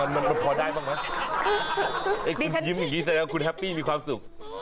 มันมันพอได้บ้างไหมไอ้คุณยิ้มอย่างนี้แสดงว่าคุณแฮปปี้มีความสุข